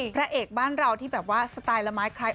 พระเอกบ้านเราที่แบบว่าสไตล์ละไม้ใคร